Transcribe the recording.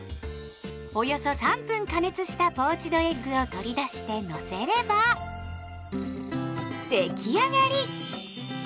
およそ３分加熱したポーチドエッグを取り出してのせれば出来上がり。